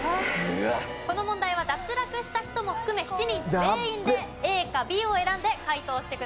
この問題は脱落した人も含め７人全員でＡかＢを選んで解答してください。